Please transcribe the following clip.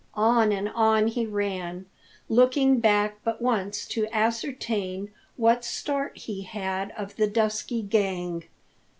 On and on he ran, looking back but once to ascertain what start he had of the dusky gang.